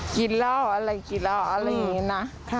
กินเหล้าอะไรกินเหล้าอะไรอย่างนี้นะ